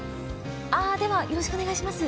あぁではよろしくお願いします